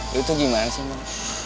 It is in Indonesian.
lo tuh gimana sih mon